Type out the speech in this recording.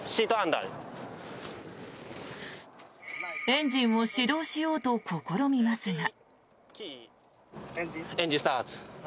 エンジンを始動しようと試みますが。